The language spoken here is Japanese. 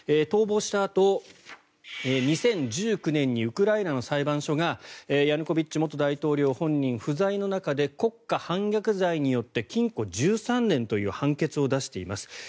逃亡したあと、２０１９年にウクライナの裁判所がヤヌコビッチ元大統領本人不在の中で国家反逆罪によって禁錮１３年という判決を出しています。